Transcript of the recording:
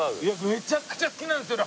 めちゃくちゃ好きなんですよね